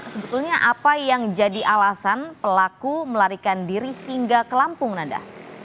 sebetulnya apa yang jadi alasan pelaku melarikan diri hingga ke lampung nada